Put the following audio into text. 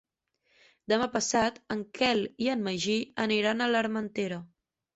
Demà passat en Quel i en Magí aniran a l'Armentera.